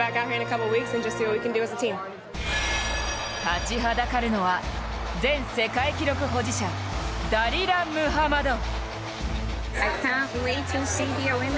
立ちはだかるのは前世界記録保持者、ダリラ・ムハマド。